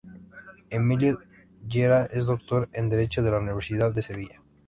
Emilio de Llera es doctor en Derecho por la Universidad de Sevilla.